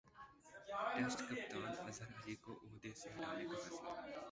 test کپتان اظہرعلی کو عہدہ سےہٹانےکا فیصلہ